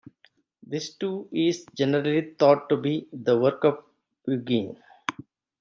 This too is generally thought to be the work of Pugin.